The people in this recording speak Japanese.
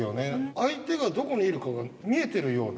相手がどこにいるかが見えているような。